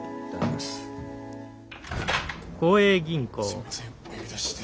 すいませんお呼び出しして。